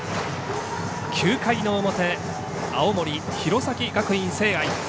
９回の表、青森、弘前学院聖愛。